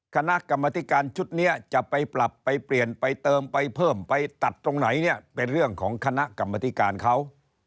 คณะกรรมธิการชุดนี้จะไปปรับไปเปลี่ยนไปเติมไปเพิ่มไปตัดตรงไหนเนี่ยเป็นเรื่องของคณะกรรมธิการเขา